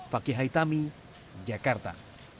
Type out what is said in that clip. fakih haitami jakarta